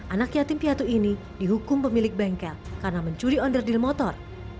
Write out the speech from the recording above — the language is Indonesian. anak yatim piatu ini dihukum pemilik bengkel karena mencuri onder deal motor